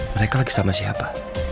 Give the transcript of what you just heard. mereka lagi sama siapa